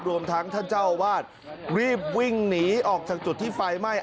รวมทั้งท่านเจ้าอาวาสรีบวิ่งหนีออกจากจุดที่ไฟไหม้